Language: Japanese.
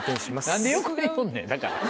何で横におんねん何か。